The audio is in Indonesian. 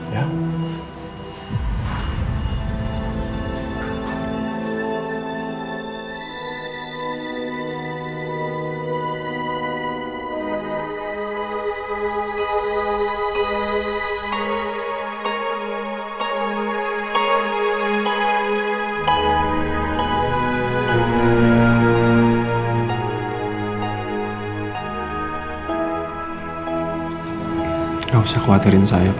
jadi sebelum terlambat